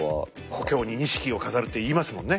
「故郷に錦を飾る」って言いますもんね。